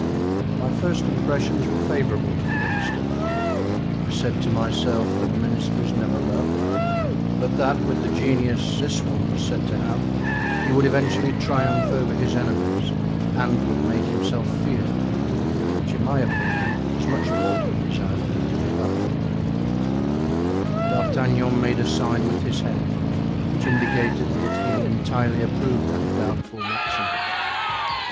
"My first impressions were favorable to the minister; I said to myself that a minister is never loved, but that with the genius this one was said to have he would eventually triumph over his enemies and would make himself feared, which in my opinion is much more to be desired than to be loved——" D'Artagnan made a sign with his head which indicated that he entirely approved that doubtful maxim.